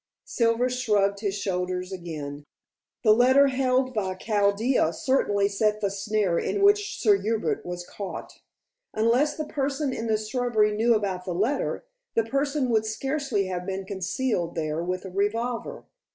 Silver shrugged his shoulders again. "The letter held by Chaldea certainly set the snare in which Sir Hubert was caught. Unless the person in the shrubbery knew about the letter, the person would scarcely have been concealed there with a revolver.